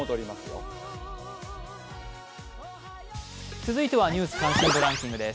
続いては「ニュース関心度ランキング」です。